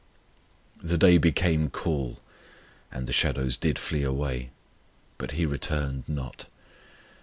The day became cool, and the shadows did flee away; but He returned not.